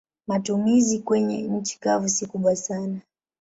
Matumizi kwenye nchi kavu si kubwa sana.